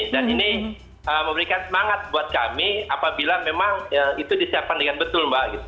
dan ini memberikan semangat buat kami apabila memang itu disiapkan dengan betul mbak